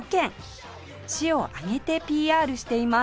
市を挙げて ＰＲ しています